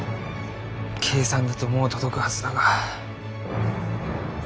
計算だともう届くはずだが。